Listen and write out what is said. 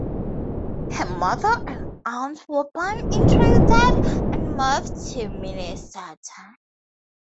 Her mother and aunt were born in Trinidad and moved to Minnesota.